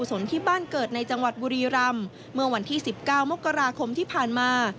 คุศลที่บ้านเกิดในจังหวัดบุรีรัมที่๑๙มกราคมที่ผ่านมา